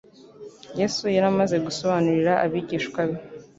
Yesu yari amaze gusobanurira abigishwa be